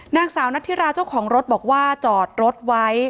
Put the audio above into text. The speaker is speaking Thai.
นางสาวนัทธิราเจ้าของรถบอกว่าจอดรถไว้